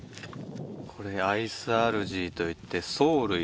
これアイスアルジーといって藻類ですね。